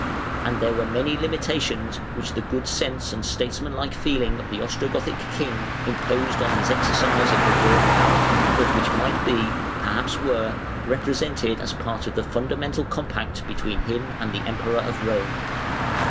And there were many limitations which the good sense and statesmanlike feeling of the Ostrogothic king imposed on his exercise of the royal power, but which might be, perhaps were, represented as part of the fundamental compact between him and the Emperor of Rome.